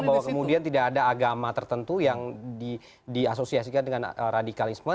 bahwa kemudian tidak ada agama tertentu yang diasosiasikan dengan radikalisme